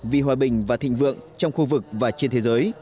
vì hòa bình và thịnh vượng trong khu vực và trên thế giới